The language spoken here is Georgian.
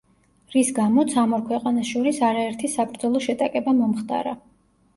რის გამოც ამ ორ ქვეყანას შორის არაერთი საბრძოლო შეტაკება მომხდარა.